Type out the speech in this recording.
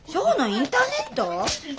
インターネット？